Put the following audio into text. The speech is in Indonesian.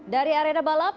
dari arena balap